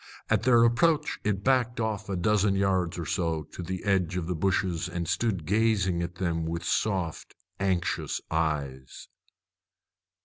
At their approach it backed off a dozen yards or so to the edge of the bushes, and stood gazing at them with soft, anxious eyes.